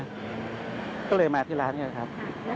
เขาก็เลยมาที่ร้านกันครับ